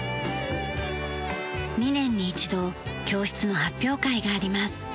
２年に一度教室の発表会があります。